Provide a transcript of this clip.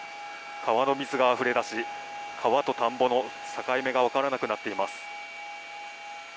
川の水があふれ出し川と田んぼの境目が分からなくなっています。